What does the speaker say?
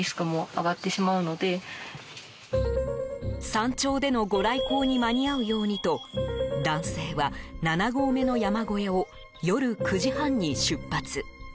山頂でのご来光に間に合うようにと男性は７合目の山小屋を夜９時半に出発。